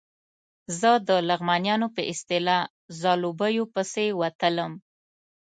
زه د لغمانیانو په اصطلاح ځلوبیو پسې وتلم.